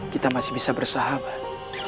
kita masih bisa bersahabat